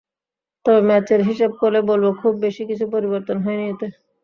তবে ম্যাচের হিসেব করলে বলব, খুব বেশি কিছু পরিবর্তন হয়নি এতে।